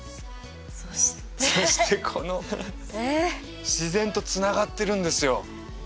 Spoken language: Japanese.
そしてそしてこの自然とつながってるんですよ